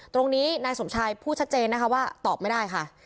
ตรงนี้นายสมชายพูดชัดเจนนะคะว่าตอบไม่ได้ค่ะ